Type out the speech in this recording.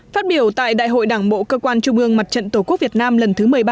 phát biểu tại đại hội đảng bộ cơ quan trung ương mặt trận tổ quốc việt nam lần thứ một mươi ba